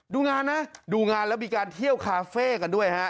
ดูงานนะดูงานแล้วมีการเที่ยวคาเฟ่กันด้วยฮะ